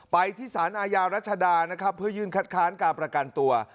ไปที่สารอาญารัชดานะครับเพื่อยื่นคัดค้านการประกันตัว